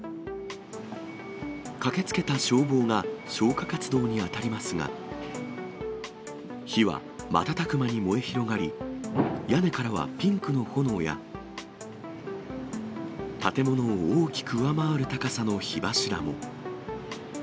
駆けつけた消防が消火活動に当たりますが、火は瞬く間に燃え広がり、屋根からはピンクの炎や、建物を大きく上回る高さの火柱も。